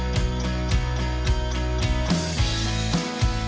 pertama diperintahkan oleh para pejabat kemarin